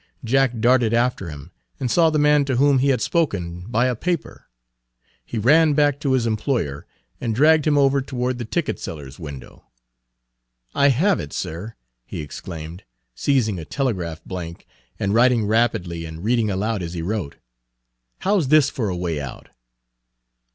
Jack darted after him, and saw the man to whom he had spoken buy a paper. He ran back to his employer, and dragged him over toward the ticket seller's window. "I have it, sir!" he exclaimed, seizing a telegraph blank and writing rapidly, and reading aloud as he wrote. "How 's this for a way out?"